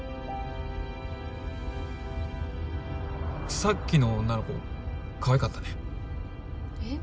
さっきの女の子かわいかったねえっ？